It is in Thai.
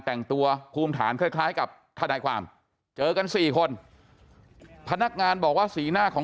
แต่งตัวภูมิฐานคล้ายคล้ายกับทนายความเจอกันสี่คนพนักงานบอกว่าสีหน้าของ